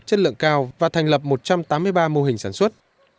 chất lượng cao và thành lập một trăm tám mươi ba mô hình sản xuất